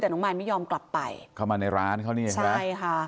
แต่น้องมายไม่ยอมกลับไปเข้ามาในร้านเขานี่เองใช่ไหมใช่ค่ะ